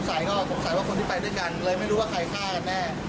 สายก็สงสัยว่าคนที่ไปด้วยกันเลยไม่รู้ว่าใครฆ่ากันแน่